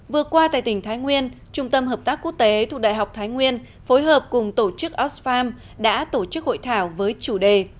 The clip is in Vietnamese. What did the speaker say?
vừa qua tại tỉnh thái nguyên trung tâm hợp tác quốc tế thuộc đại học thái nguyên phối hợp cùng tổ chức oxfam đã tổ chức hội thảo với chủ đề